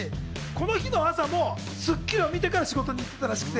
この日の朝も『スッキリ』を見てから仕事に行ってくれたそうで、